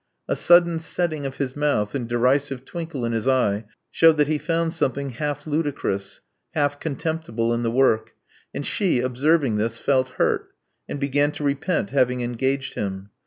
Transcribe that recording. A sudden setting of his mouth and derisive twinkle in his eye shewed that he found something half ludicrous, half contemptible, in the work; and she, observing this, felt hurt, and began to repent having engaged him.